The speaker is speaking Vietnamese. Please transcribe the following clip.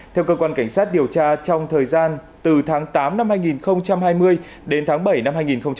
theo cơ quan cảnh sát điều tra trong thời gian từ tháng tám năm hai nghìn hai mươi đến tháng bảy năm hai nghìn hai mươi